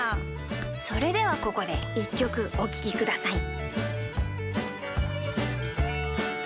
それではここでいっきょくおききください。